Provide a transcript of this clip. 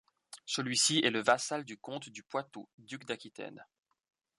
Celui-ci est le vassal du comte du Poitou, duc d'Aquitaine.